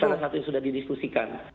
seorang seorang yang sudah didiskusikan